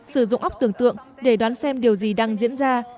sử dụng ốc tưởng tượng để đoán xem điều gì đang diễn ra